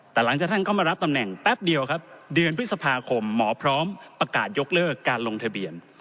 แต่หลังจากท่านก็มารับตำแหน่งแป๊บเดียวครับเดือนพฤษภาคมหมอพร้อมประกาศยกเลิกการลงทะเบียน